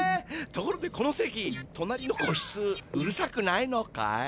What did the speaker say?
ところでこのせきとなりのこしつうるさくないのかい？